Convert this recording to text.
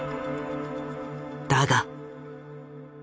だが。